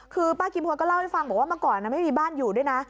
คือป้ากิมพลก็เล่าให้ฟังบอกว่าเมื่อก่อนไม่มีบ้านอยู่ด้วยนะ